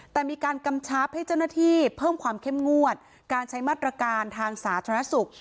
แต่มีการกำชับให้เจ้าหน้าที่เพิ่มความเข้มงวดการใช้มาตรการทางสาธารณสุข